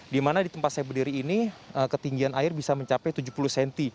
di mana di tempat saya berdiri ini ketinggian air bisa mencapai tujuh puluh cm